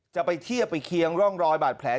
จะไปเทียบไปเคียงร่องรอยบาดแผล